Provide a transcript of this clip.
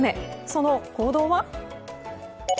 その行動は？